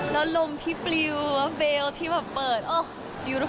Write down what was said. แล้วลมที่ปลิวแบลที่เปิดโอ้ย